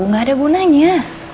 gak ada gunanya